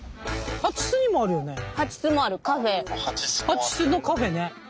蜂巣のカフェね。